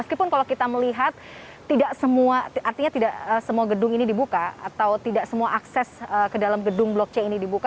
meskipun kalau kita melihat artinya tidak semua gedung ini dibuka atau tidak semua akses ke dalam gedung blok c ini dibuka